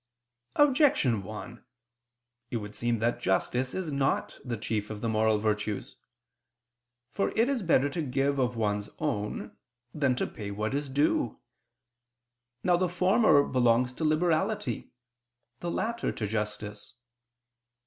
Objection 1: It would seem that justice is not the chief of the moral virtues. For it is better to give of one's own than to pay what is due. Now the former belongs to liberality, the latter to justice.